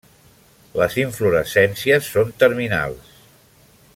Les inflorescències són terminals.